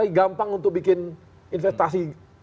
ini gampang untuk bikin investasi